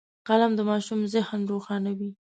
قلم د ماشوم ذهن روښانوي